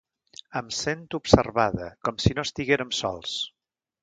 Em sent observada, com si no estiguérem sols...